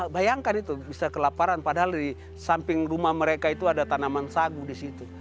bayangkan itu bisa kelaparan padahal di samping rumah mereka itu ada tanaman sagu di situ